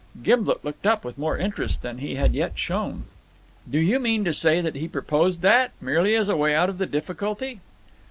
Gimblet looked up with more interest than he had yet shown. "Do you mean to say he proposed that, merely as a way out of the difficulty?"